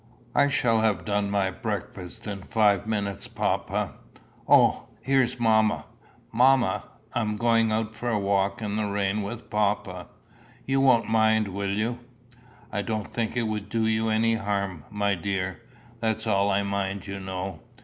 "I shall have done my breakfast in five minutes, papa. O, here's mamma! Mamma, I'm going out for a walk in the rain with papa. You won't mind, will you?" "I don't think it will do you any harm, my dear. That's all I mind, you know.